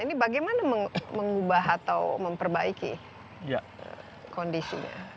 ini bagaimana mengubah atau memperbaiki kondisinya